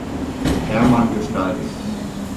Herrmann gestaltet.